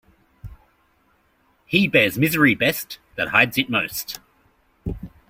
He bears misery best that hides it most.